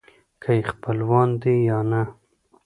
که یې خپلوان دي یا نه.